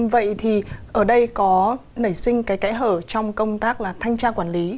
vậy thì ở đây có nảy sinh cái kẽ hở trong công tác là thanh tra quản lý